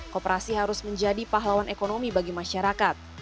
koperasi harus menjadi pahlawan ekonomi bagi masyarakat